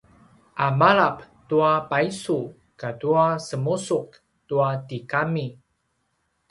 a malap tua paisu katu semusuq tua tigami